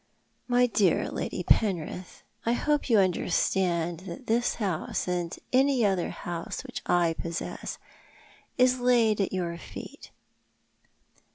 " My dear Lady Penrith, I hope you understand that this house, and any other house which I possess, is laid at your feet."